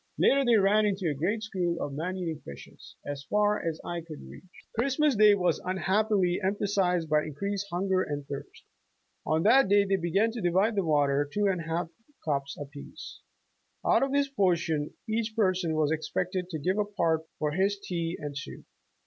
Later, they ran into a great school of man eating fishes, as far as eye could reach. Christmas day was unhappily emphasized by in creased hunger and thirst. On that day they began to divide the water, cwo and one half cups apiece. Out of this portion each person was expected to give a part for his tea and soup.